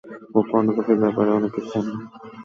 ও পর্নোগ্রাফির ব্যাপারে অনেক কিছু জানে।